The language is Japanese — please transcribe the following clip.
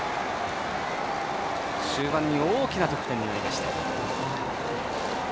中盤に大きな得点になりました。